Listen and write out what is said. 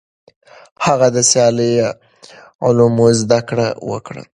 هغه د سیاسي علومو زده کړه وکړه.